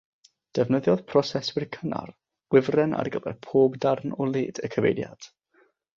Defnyddiodd proseswyr cynnar wifren ar gyfer pob darn o led y cyfeiriad.